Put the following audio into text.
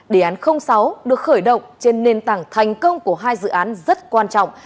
đề án sáu được khởi động trên nền tảng thành công của hai dự án rất quan trọng